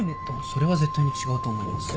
それは絶対に違うと思います。